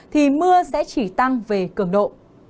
thì mưa sẽ chỉ tăng về cường độ